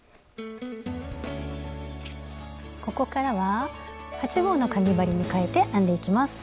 ここからは８／０号のかぎ針に変えて編んでいきます。